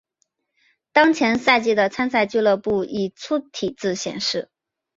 当前赛季的参赛俱乐部以粗体字显示。